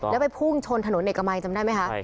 แล้วไปพุ่งชนถนนเอกมัยจำได้ไหมคะ